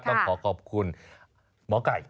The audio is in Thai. ต้องขอขอบคุณหมอไก่